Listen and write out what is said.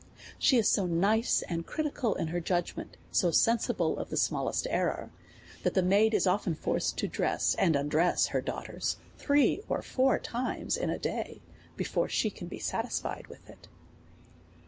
She is so nice and criti cal in her judgment, so sensible of the smallest error, that the maid is often forced to dress and undress her daughters three or four times in a day before she can be satisfied with it.